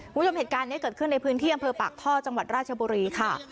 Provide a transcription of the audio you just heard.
คุณผู้ชมเหตุการณ์นี้เกิดขึ้นในพื้นที่อำเภอปากท่อจังหวัดราชบุรีค่ะ